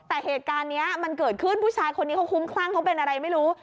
แต่เหตุการณ์นี้มันเกิดขึ้นผู้ชายคนนี้เขาคุ้มคลั่งเขาเป็นอะไรไม่รู้